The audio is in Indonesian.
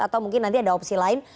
atau mungkin nanti ada opsi lain